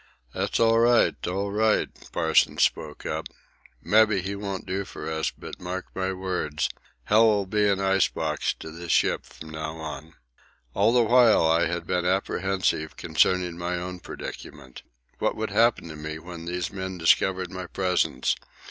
"That's all right all right," Parsons spoke up. "Mebbe he won't do for us, but mark my words, hell 'll be an ice box to this ship from now on." All the while I had been apprehensive concerning my own predicament. What would happen to me when these men discovered my presence?